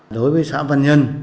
đối với xã văn nhân